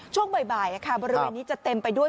ช่วงบ่ายบริเวณนี้จะเต็มไปด้วย